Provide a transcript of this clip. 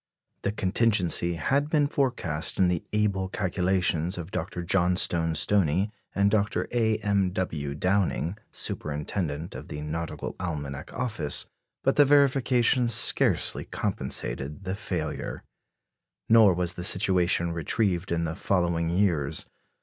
The contingency had been forecast in the able calculations of Dr. Johnstone Stoney and Dr. A. M. W. Downing, superintendent of the Nautical Almanac Office; but the verification scarcely compensated the failure. Nor was the situation retrieved in the following years.